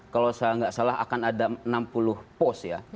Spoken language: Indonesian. kalau saya nggak salah akan ada enam puluh pos ya